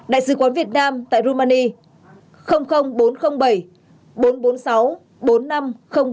đại sứ quán việt nam tại romania